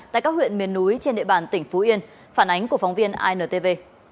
tại các huyện miền núi trên địa bàn tỉnh phú yên phản ánh của phóng viên intv